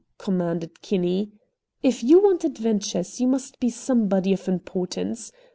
commanded Kinney. "If you want adventures you must be somebody of importance.